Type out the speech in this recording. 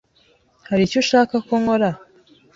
Hari icyo ushaka ko nkora?